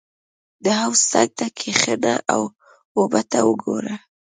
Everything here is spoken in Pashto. • د حوض څنګ ته کښېنه او اوبه ته وګوره.